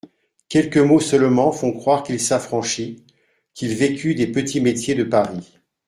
Quelques mots seulement font croire qu'il s'affranchit, qu'il vécut des petits métiers de Paris.